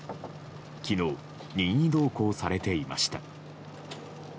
昨日、任意同行されていました。